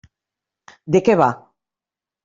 De què va?